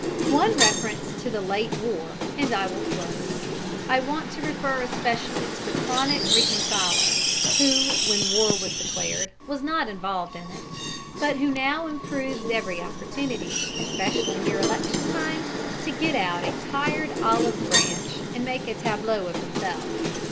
One reference to the late war, and I will close. I want to refer especially to the chronic reconciler who when war was declared was not involved in it, but who now improves every opportunity, especially near election time, to get out a tired olive branch and make a tableau of himself.